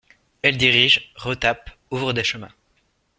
Elle dirige, retape, ouvre des chemins.